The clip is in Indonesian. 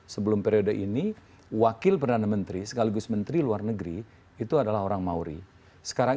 sebelum periode ini wakil perdana menteri sekaligus menteri luar negeri itu adalah orang mauri sekarang